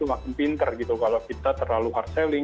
makin pinter gitu kalau kita terlalu hard selling